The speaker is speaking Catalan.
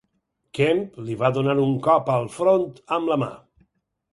Kemp li va donar un cop al front amb la mà.